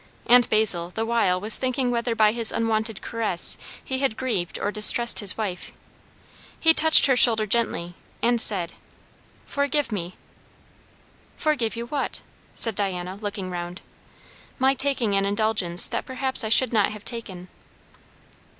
And Basil the while was thinking whether by his unwonted caress he had grieved or distressed his wife. He touched her shoulder gently, and said, "Forgive me!" "Forgive you what?" said Diana, looking round. "My taking an indulgence that perhaps I should not have taken."